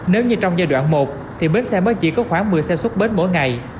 nếu như trong giai đoạn một thì bến xe mới chỉ có khoảng một mươi xe xuất bến mỗi ngày